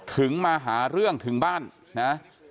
ถึงมาหาเรื่องถึงบ้านนะ